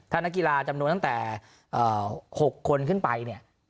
ถ้านักกีฬาจำนวนตั้งแต่๖คนขึ้นไปเนี่ย